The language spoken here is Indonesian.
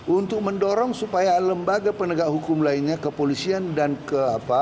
untuk mendorong supaya lembaga penegak hukum lainnya kepolisian dan kepolisian